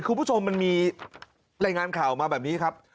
คุณผู้ชมมันมีรายงานข่าวมาแบบนี้ครับ